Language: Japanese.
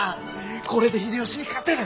これで秀吉に勝てる！